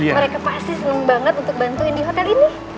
mereka pasti senang banget untuk bantuin di hotel ini